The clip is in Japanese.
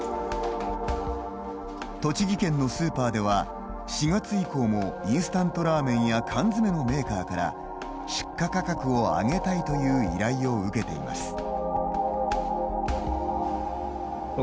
栃木県のスーパーでは４月以降もインスタントラーメンや缶詰のメーカーから出荷価格を上げたいという依頼を受けています。